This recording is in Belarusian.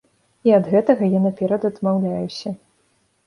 І ад гэтага я наперад адмаўляюся.